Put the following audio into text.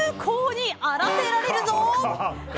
公にあらせられるぞ。